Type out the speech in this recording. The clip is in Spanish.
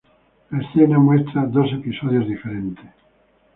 La escena muestra dos episodios diferentes.